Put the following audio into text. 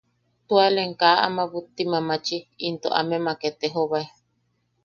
Tualem kaa ama butti mamachi, into amemak etejobae.